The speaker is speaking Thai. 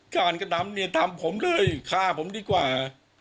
การกระดำทำผมเลยฆ่าผมดีกว่า